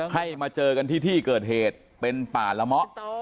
ให้มาเจอกันที่ที่เกิดเหตุเป็นป่าละเมาะ